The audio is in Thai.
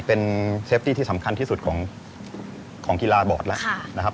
เป็นเซฟตี้ที่สำคัญที่สุดของกีฬาบอร์ดแล้วนะครับ